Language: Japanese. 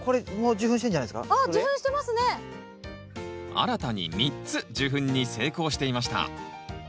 新たに３つ受粉に成功していました。